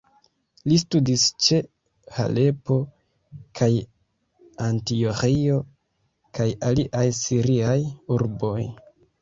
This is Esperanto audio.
Li studis ĉe Halepo kaj Antioĥio kaj aliaj siriaj urboj.